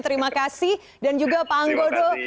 terima kasih dan juga pak anggodo